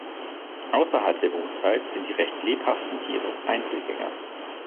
Außerhalb der Brutzeit sind die recht lebhaften Tiere Einzelgänger.